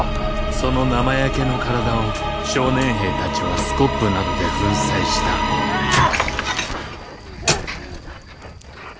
その生焼けの体を少年兵たちはスコップなどで粉砕したああっ！